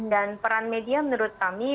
dan peran media menurut kami